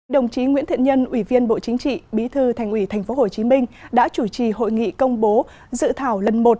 đồng chí nguyễn thiện nhân ủy viên bộ chính trị bí thư thành ủy tp hcm đã chủ trì hội nghị công bố dự thảo lần một